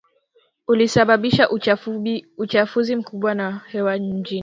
ulisababisha uchafuzi mkubwa wa hewa mijini